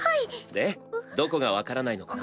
でどこが分からないのかな？